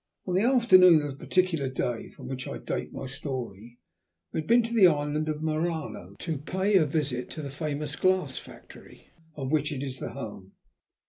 On the afternoon of the particular day from which I date my story, we had been to the island of Murano to pay a visit to the famous glass factories of which it is the home.